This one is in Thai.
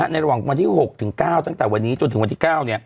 ระหว่างวันที่๖ถึง๙ตั้งแต่วันนี้จนถึงวันที่๙